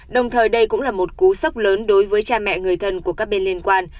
đồng thời đây cũng là một cú sốc lớn đối với cha mẹ người thân của các bên liên quan